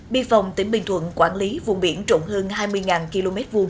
biên phòng tỉnh bình thuận quản lý vùng biển trộn hơn hai mươi km hai